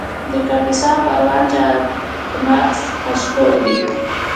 د کاپیسا او پروان چهارمغز مشهور دي